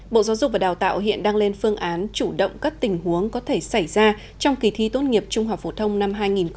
bộ giáo dục và đào tạo hiện đang lên phương án chủ động các tình huống có thể xảy ra trong kỳ thi tốt nghiệp trung học phổ thông năm hai nghìn hai mươi